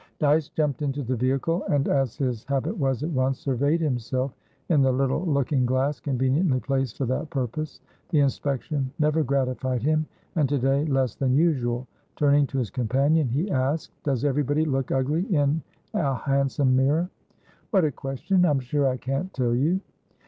Dyce jumped into the vehicle, and, as his habit was, at once surveyed himself in the little looking glass conveniently placed for that purpose. The inspection never gratified him, and to day less than usual. Turning to his companion, he asked: "Does everybody look ugly in a hansom mirror?" "What a question! I'm sure I can't tell you."